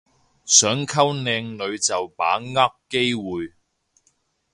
想溝靚女就把握機會